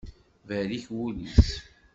Berrik wul-is.